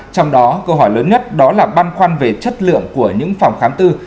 trong đó câu hỏi lớn nhất đó là băn khoăn về chất lượng của những phòng khám tư